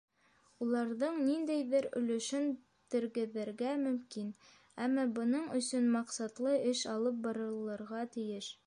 Уларҙың ниндәйҙер өлөшөн тергеҙергә мөмкин, әммә бының өсөн маҡсатлы эш алып барылырға тейеш.